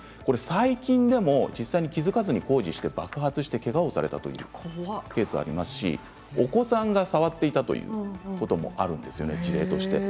最近でも実際に気付かずに工事して爆発してけがをされたというケースがありますしお子さんが触っていたということもあるんですよね、事例として。